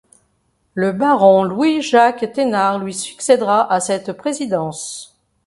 Le Baron Louis Jacques Thénard, lui succédera à cette présidence.